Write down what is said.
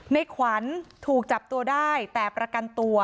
ในขวัญถูกจับตัวได้แต่ประกันตัว